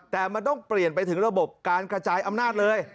แต่มันต้องเปลี่ยนไปถึงระบบการกระจายอำนาจเลย